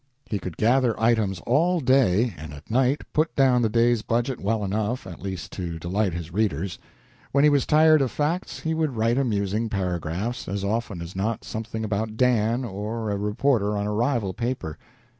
He could gather items all day, and at night put down the day's budget well enough, at least, to delight his readers. When he was tired of facts, he would write amusing paragraphs, as often as not something about Dan, or a reporter on a rival paper.